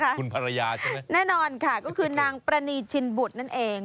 คุณภรรยาใช่ไหมแน่นอนค่ะก็คือนางปรณีชินบุตรนั่นเอง